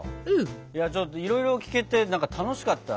いやちょっといろいろ聞けてなんか楽しかった。